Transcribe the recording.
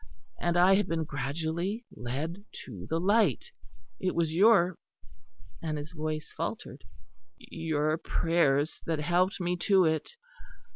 And I have been gradually led to the light; it was your " and his voice faltered "your prayers that helped me to it.